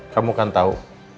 kamu kan tau